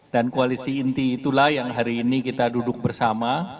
dan koalisi inti itulah yang hari ini kita duduk bersama